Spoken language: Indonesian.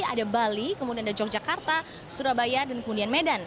ada bali kemudian ada yogyakarta surabaya dan kemudian medan